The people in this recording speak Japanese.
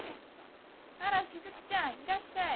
あら雫ちゃんいらっしゃい。